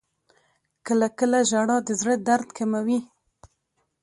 • کله کله ژړا د زړه درد کموي.